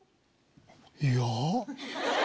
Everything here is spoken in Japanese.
いや。